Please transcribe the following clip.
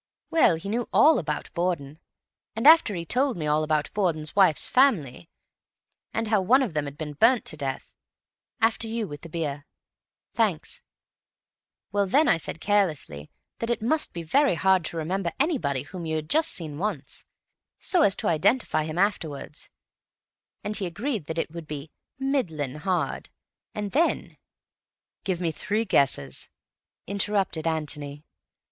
Well, he knew all about Borden, and after he'd told me all about Borden's wife's family, and how one of them had been burnt to death—after you with the beer; thanks—well, then I said carelessly that it must be very hard to remember anybody whom you had just seen once, so as to identify him afterwards, and he agreed that it would be 'middlin' hard,' and then—" "Give me three guesses," interrupted Antony.